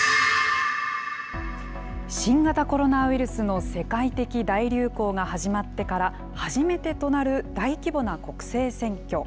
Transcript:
新型コロナウイルスの世界的大流行が始まってから初めてとなる大規模な国政選挙。